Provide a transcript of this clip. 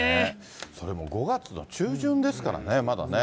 それも５月の中旬ですからね、まだね。